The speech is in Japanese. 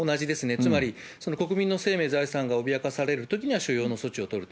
つまり、国民の生命、財産が脅かされるときには所要の措置を取ると。